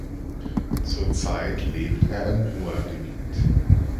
Zurzeit lebt er im Ruhrgebiet.